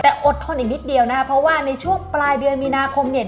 แต่อดทนอีกนิดเดียวนะครับเพราะว่าในช่วงปลายเดือนมีนาคมเนี่ย